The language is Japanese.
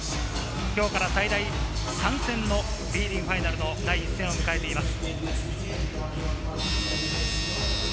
今日から最大３戦のＢリーグファイナルの第１戦を迎えています。